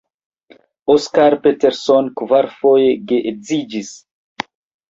Oscar Peterson kvarfoje geedziĝis.